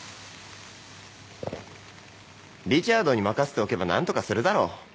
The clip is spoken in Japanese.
リチャードに任せておけば何とかするだろ。